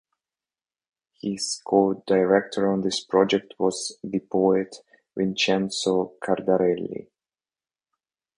His co-director on this project was the poet Vincenzo Cardarelli.